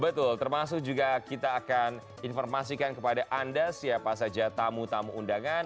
betul termasuk juga kita akan informasikan kepada anda siapa saja tamu tamu undangan